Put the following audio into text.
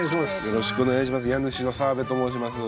よろしくお願いします